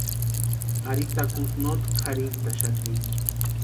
Ari takusï notki kʼarhintʼaxati.